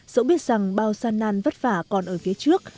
dẫu biết rằng bao gian nan vất vả còn ở phía trước